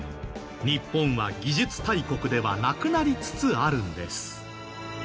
日本は技術大国ではなくなりつつあるんです。